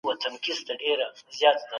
پخواني نسلونه په خپلو افکارو کي کلک وو.